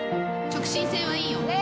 直進性はいいよ。